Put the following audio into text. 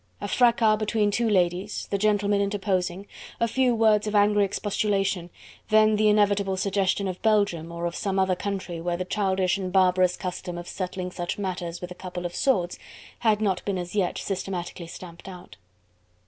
A fracas between two ladies, the gentlemen interposing, a few words of angry expostulation, then the inevitable suggestion of Belgium or of some other country where the childish and barbarous custom of settling such matters with a couple of swords had not been as yet systematically stamped out.